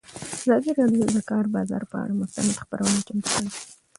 ازادي راډیو د د کار بازار پر اړه مستند خپرونه چمتو کړې.